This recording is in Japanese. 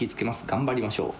頑張りましょう。